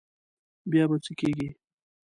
بیا به څه کېږي.